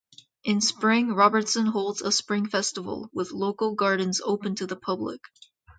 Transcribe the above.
In Spring Robertson holds a spring festival, with local gardens open to the public.